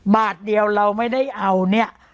บาทเดียวเราไม่ได้เอาเนี่ย